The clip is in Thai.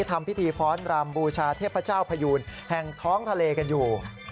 ทำพิธีฟ้อนรำบูชาเทพเจ้าพยูนแห่งท้องทะเลกันอยู่